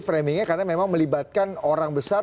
framingnya karena memang melibatkan orang besar